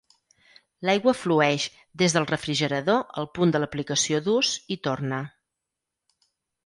L'aigua flueix des del refrigerador al punt de l'aplicació d'ús i torna.